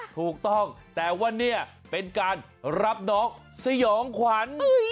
ถูกต้องแต่ว่าเนี่ยเป็นการรับน้องสยองขวัญ